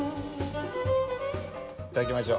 いただきましょう。